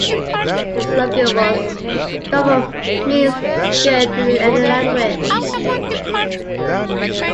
Their slogan was: "Dobro means good in any language!".